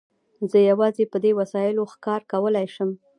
زه یوازې په دې وسایلو ښکار کولای شم.